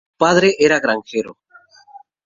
Su padre era granjero.